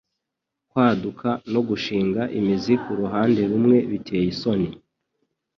kwaduka no gushinga imizi kuruhande rumwe biteye isoni